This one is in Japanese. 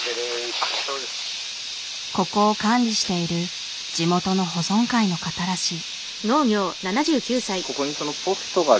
ここを管理している地元の保存会の方らしい。